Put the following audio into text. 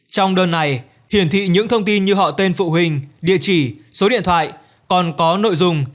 trong đơn này hiển thị những thông tin như họ tên phụ huynh địa chỉ số điện thoại còn có nội dung